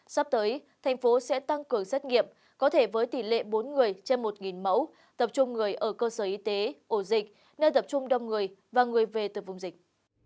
sắp tới thành phố sẽ tăng cường xét nghiệm có thể với tỷ lệ bốn người trên một mẫu tập trung người ở cơ sở y tế ổ dịch nơi tập trung đông người và người về từ vùng dịch